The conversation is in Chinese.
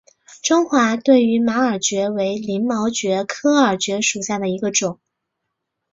中华对马耳蕨为鳞毛蕨科耳蕨属下的一个种。